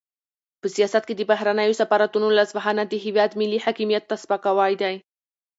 په سیاست کې د بهرنیو سفارتونو لاسوهنه د هېواد ملي حاکمیت ته سپکاوی دی.